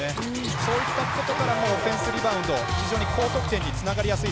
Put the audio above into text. そういったことからもオフェンスリバウンド非常に高得点につながりやすい。